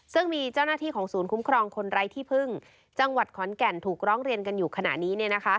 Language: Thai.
ซึ่งมีเจ้าหน้าที่ของศูนย์คุ้มครองคนไร้ที่พึ่งจังหวัดขอนแก่นถูกร้องเรียนกันอยู่ขณะนี้